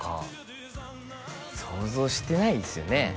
想像してないですよね